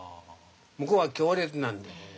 向こうは強烈なんで。